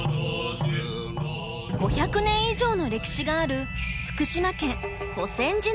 ５００年以上の歴史がある福島県保泉寺のご住職。